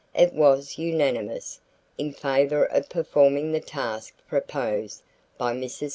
It was unanimous, in favor of performing the task proposed by Mrs. Hutchins.